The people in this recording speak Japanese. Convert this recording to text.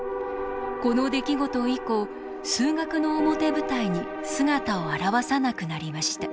この出来事以降数学の表舞台に姿を現さなくなりました。